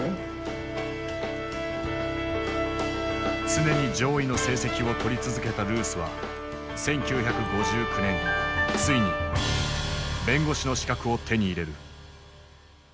常に上位の成績を取り続けたルースは１９５９年ついに弁護士の資格を手に入れる。